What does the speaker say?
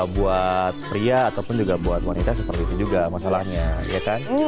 buat pria ataupun juga buat wanita seperti itu juga masalahnya ya kan